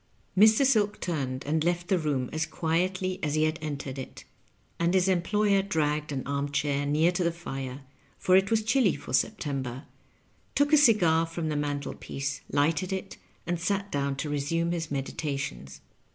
Mr. Silk turned and left the room as quietly as he had entered it, and his employer dragged an arm chair near to the fire, for it was chilly for September, took a cigar from the mantelpiece, lighted it, and sat down to resume his meditations.